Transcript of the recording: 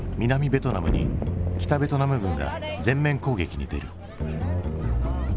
ベトナムに北ベトナム軍が全面攻撃に出る。